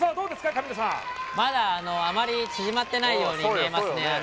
神野さんまだあのあまり縮まってないように見えますね